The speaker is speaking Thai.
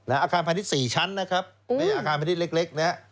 อาคารพาณิชย์๔ชั้นนะครับในอาคารพาณิชย์เล็กนะฮะ